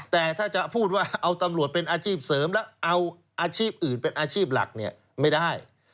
แต่ถ้าจะพูดว่าเอาตำรวจเป็นอาชีพเสริมแล้วเอาอาชีพอื่นเป็นอาชีพหลักเนี่ยไม่ได้